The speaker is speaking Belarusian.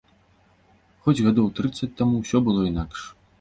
Хоць гадоў трыццаць таму ўсё было інакш.